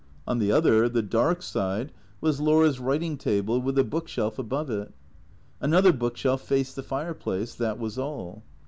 On the other, the dark side, was Laura's writing table, with a book shelf above it. Another book shelf faced the fireplace. That was all.